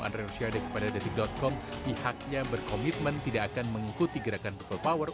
andre rosiade kepada detik com pihaknya berkomitmen tidak akan mengikuti gerakan people power